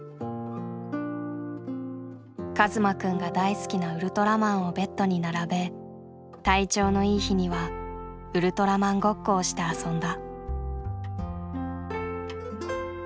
一馬くんが大好きなウルトラマンをベッドに並べ体調のいい日にはウルトラマンごっこをして遊んだ。